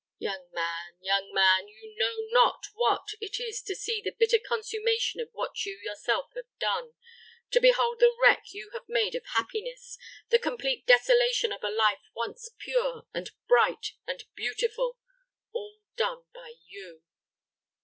Young man, young man, you know not what it is to see the bitter consummation of what you yourself have done to behold the wreck you have made of happiness the complete desolation of a life once pure, and bright, and beautiful all done by you.